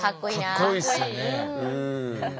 かっこいいっすよね。